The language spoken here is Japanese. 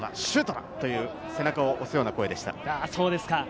シュートだ！という背中を押すような声でした。